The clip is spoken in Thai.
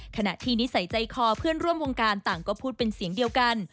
ขณะที่นิสัยใจคอเพื่อนร่วมวงการต่างก็พูดเป็นเสียงเดียวกัน